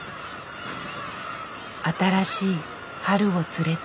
新しい春を連れて。